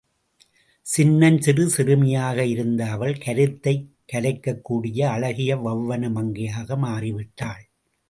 சின்னஞ்சிறு சிறுமியாக இருந்த அவள், கருத்தைக் கலைக்கக் கூடிய அழகிய வெளவன மங்கையாக மாறிவிட்டாள்.